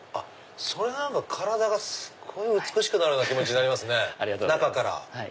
それ体が美しくなるような気持ちになりますね中から。